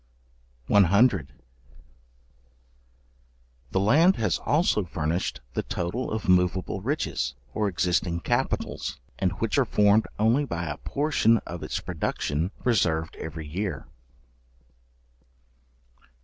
§100. The land has also furnished the total of moveable riches, or existing capitals, and which are formed only by a portion of its production reserved every year.